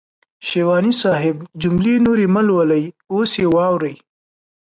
شېواني صاحب جملې نورې مهلولئ اوس يې واورئ.